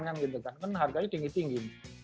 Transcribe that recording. karena harganya tinggi tinggi